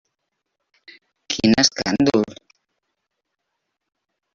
Quin escàndol!